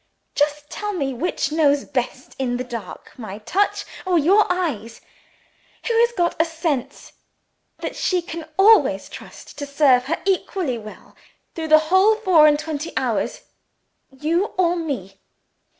Just tell me which knows best in the dark my touch or your eyes? Who has got a sense that she can always trust to serve her equally well through the whole four and twenty hours? You or me?